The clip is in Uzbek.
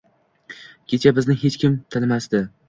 Kecha bizni hech kim tanimasdi.